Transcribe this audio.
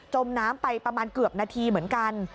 มน้ำไปประมาณเกือบนาทีเหมือนกัน